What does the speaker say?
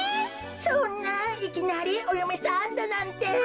そんないきなりおよめさんだなんて。